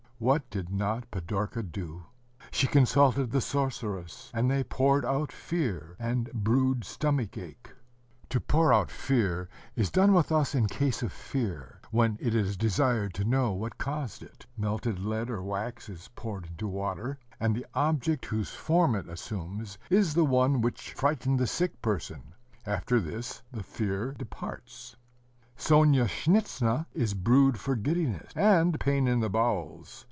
What did not Pidorka do? She consulted the sorceress; and they poured out fear, and brewed stomach ache,[Footnote: "To pour out fear," is done with us in case of fear; when it is desired to know what caused it, melted lead or wax is poured into water, and the object whose form it assumes is the one which frightened the sick person; after this, the fear departs. Sonyashnitza is brewed for giddiness, and pain in the bowels.